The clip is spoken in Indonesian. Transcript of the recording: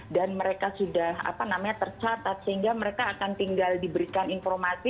dan mereka sudah apa namanya tercatat sehingga mereka akan tinggal diberikan informasi